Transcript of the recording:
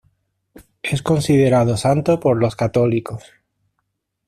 Es considerado santo por los católicos.